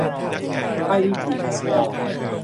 ไฮบริดวอร์